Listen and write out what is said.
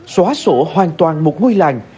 xóa sổ hoàn toàn một ngôi làng